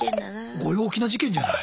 ご陽気な事件じゃない？